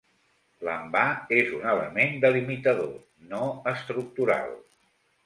L'envà és un element delimitador, no estructural.